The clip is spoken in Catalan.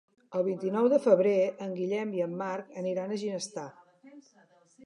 El vint-i-nou de febrer en Guillem i en Marc aniran a Ginestar.